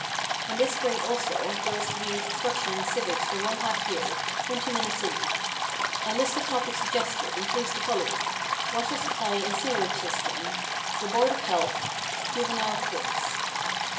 In this grade also there is to be instruction in civics for one half year, twenty minutes a week. A list of topics suggested includes the following: "Water Supply and Sewerage System"; "The Board of Health"; "Juvenile Courts."